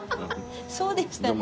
そうでしたね。